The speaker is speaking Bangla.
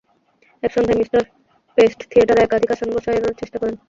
এক সন্ধ্যায় মিস্টার পেস্ট থিয়েটারে একাধিক আসনে বসার চেষ্টা করেন।